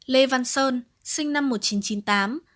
lê văn sơn sinh năm một nghìn chín trăm chín mươi tám